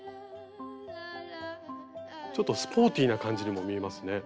ちょっとスポーティーな感じにも見えますね。